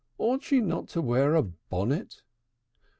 Ought she not to wear a bonnet?'